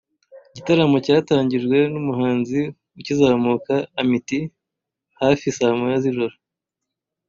Igitaramo cyatangijwe n’umuhanzi ukizamuka Amity hafi saa Moya z’ijoro